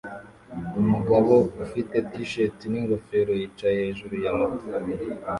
Umugabo ufite T-shirt n'ingofero yicaye hejuru ya moto